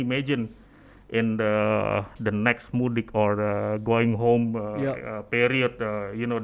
pada peringkat berikutnya atau peringkat pulang ke rumah